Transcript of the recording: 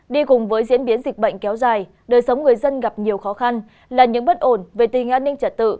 đi cùng với diễn biến dịch bệnh kéo dài đời sống người dân gặp nhiều khó khăn là những bất ổn về tình an ninh trật tự